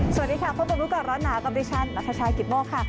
สวัสดีค่ะพบกับรู้ก่อนร้อนหนาวกับดิฉันนัทชายกิตโมกค่ะ